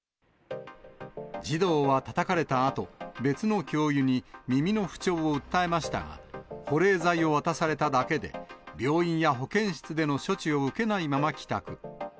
児童は、たたかれたあと、別の教諭に、耳の不調を訴えましたが、保冷剤を渡されただけで、病院や保健室での処置を受けないまま帰宅。